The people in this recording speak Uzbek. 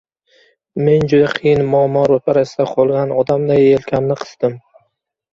Men juda qiyin muammo ro‘parasida qolgan odamday, yelkamni qisdim.